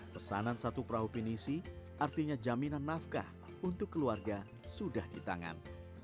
pesanan satu perahu penisi artinya jaminan nafkah untuk keluarga sudah di tangan